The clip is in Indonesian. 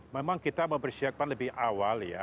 memang kita mempersiapkan lebih awal ya